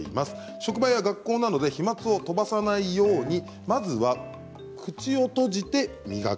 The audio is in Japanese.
職場や学校などで飛まつを飛ばさないようにまずは口を閉じて磨く。